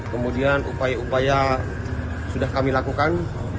kemudian upaya upaya sudah kami lakukan